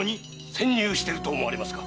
潜入してると思われますが。